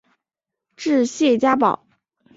治谢家堡。